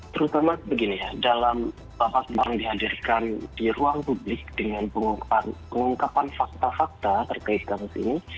terutama begini ya dalam kasus yang dihadirkan di ruang publik dengan pengungkapan fakta fakta terkait kasus ini